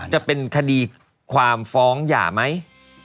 จะเป็นคดีความฟ้องหย่าไหม